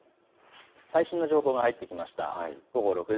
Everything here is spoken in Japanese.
最新の情報が入ってきました。